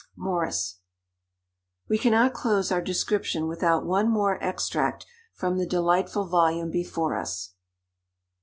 '"—MORRIS. We cannot close our description without one more extract from the delightful volume before us.